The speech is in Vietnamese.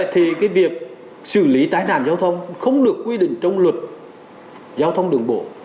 thì cái việc xử lý tai nạn giao thông không được quy định trong luật giao thông đường bộ